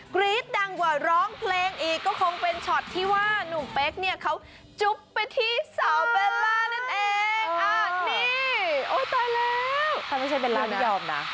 กรี๊ดดังกว่าร้องเพลงอีกก็คงเป็นช็อตที่ว่าหนุ่มเป๊กเนี่ยเขาจุ๊บไปที่เสาร์เบลล่านั่นเอง